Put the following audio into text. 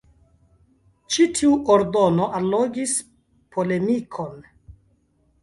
Ĉi tiu ordono allogis polemikon.